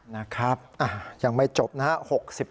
นะครับยังไม่จบนะครับ